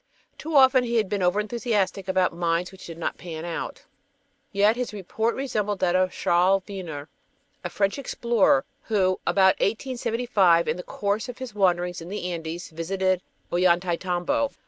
Too often he had been over enthusiastic about mines which did not "pan out." Yet his report resembled that of Charles Wiener, a French explorer, who, about 1875, in the course of his wanderings in the Andes, visited Ollantaytambo.